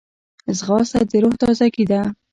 ځغاسته د روح تازګي ده